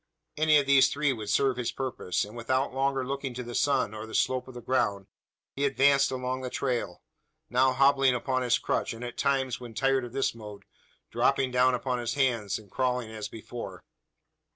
Any of these three would serve his purpose; and, without longer looking to the sun, or the slope of the ground, he advanced along the trail now hobbling upon his crutch, and at times, when tired of this mode, dropping down upon his hands and crawling as before.